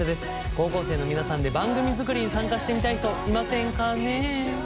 高校生の皆さんで番組作りに参加してみたい人いませんかね？